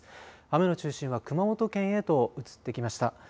雨の中心は熊本県へと移ってきました。